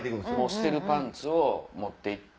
捨てるパンツを持って行って。